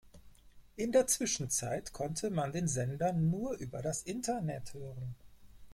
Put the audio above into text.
In der Zwischenzeit konnte man den Sender nur über das Internet hören.